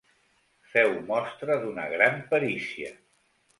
Feu mostra d'una gran perícia.